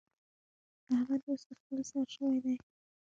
احمد اوس د خپل سر شوی دی.